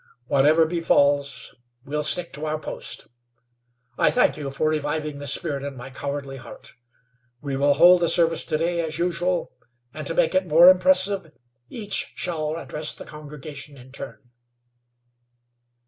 Whatever befalls we'll stick to our post. I thank you for reviving the spirit in my cowardly heart. We will hold the service to day as usual and to make it more impressive, each shall address the congregation in turn."